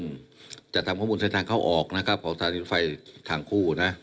จะทำข้อมูลเส้นทางเข้าออกนะครับของสถานีไฟทางคู่นะ